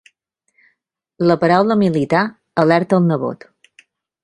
La paraula militar alerta el nebot.